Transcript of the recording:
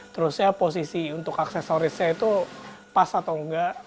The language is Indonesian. terusnya posisi untuk aksesorisnya itu pas atau enggak